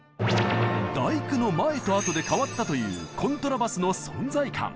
「第九」の前と後で変わったというコントラバスの存在感。